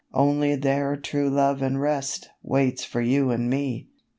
Only there true love and rest Waits for you and me."